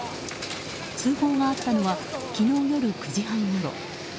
通報があったのは昨日夜９時半ごろ。